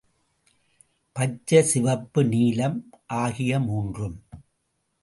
பச்சை, சிவப்பு, நீலம் ஆகிய மூன்றும்.